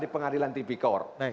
di pengadilan tpkor